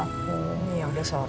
oh iya udah seorang sih